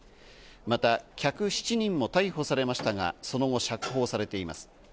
また、客７人も逮捕されましたが、その後、釈放されています。